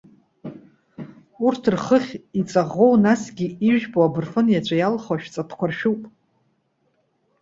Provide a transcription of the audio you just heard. Урҭ рхыхь, иҵаӷоу, насгьы ижәпоу абырфын иаҵәа иалху ашәҵатәқәа ршәыуп.